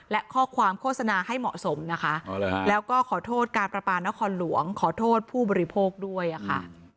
และข้อความโฆษณาให้เหมาะสมนะคะแล้วก็ขอโทษการประปานครหลวงขอโทษผู้บริโภคด้วยค่ะ